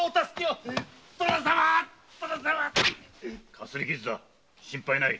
かすり傷だ心配ない！